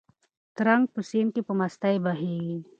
ترنګ په سیند کې په مستۍ بهېږي.